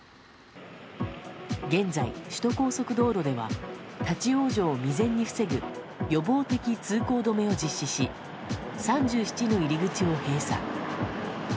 現在、首都高速道路では立ち往生を未然に防ぐ予防的通行止めを実施し３７の入り口を閉鎖。